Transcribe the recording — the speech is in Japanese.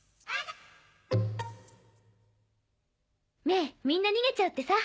メイみんな逃げちゃうってさ。